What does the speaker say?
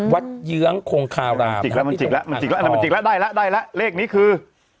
วัดเยื้องโครงคาราบมันจิกแล้วมันจิกแล้วได้แล้วได้แล้วเลขนี้คือ